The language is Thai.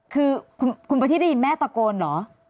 คือคุณประทีได้ยินแม่ตะโกนเหรอ